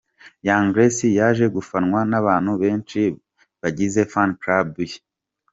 Young grace yaje gufanwa n’abantu benshi bagize Fan Club ye.